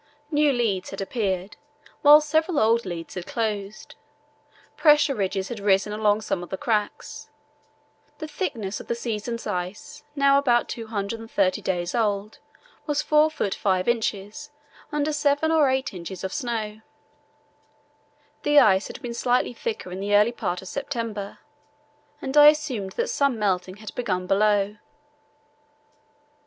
New leads had appeared, while several old leads had closed. Pressure ridges had risen along some of the cracks. The thickness of the season's ice, now about 230 days old, was 4 ft. 5 in. under 7 or 8 in. of snow. This ice had been slightly thicker in the early part of September, and I assumed that some melting had begun below.